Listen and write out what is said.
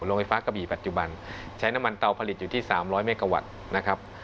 โรงไฟฟ้ากระบี่ปัจจุบันใช้น้ำมันเตาผลิตอยู่ที่๓๐๐เมกะวัตต์นะครับ